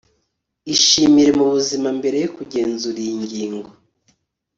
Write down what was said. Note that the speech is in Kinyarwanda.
ishimire mubuzima mbere yo kugenzura iyi ngingo